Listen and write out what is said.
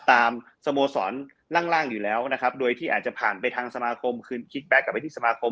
สโมสรล่างอยู่แล้วนะครับโดยที่อาจจะผ่านไปทางสมาคมคืนคิกแก๊กกลับไปที่สมาคม